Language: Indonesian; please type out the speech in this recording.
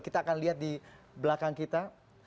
kita akan lihat di belakang kita